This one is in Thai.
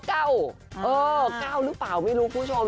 ๙หรือเปล่าไม่รู้คุณผู้ชม